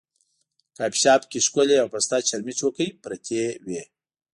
کافي شاپ کې ښکلې او پسته چرمي چوکۍ پرتې وې.